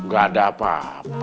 gaada apa apa